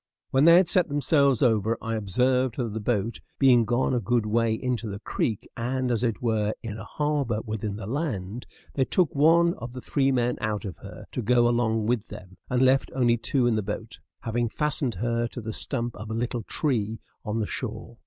When they had set themselves over, I observed that the boat being gone a good way into the creek, and, as it were, in a harbor within the land, they took one of the three men out of her, to go along with them, and left only two in the boat, having fastened her to the stump of a little tree on the shore.